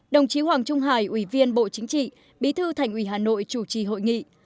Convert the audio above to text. đồng chí hoàng trung hải ủy viên bộ chính trị bí thư thành ủy hà nội chủ trì hội nghị